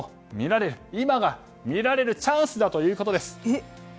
今が見られるチャンスだということです。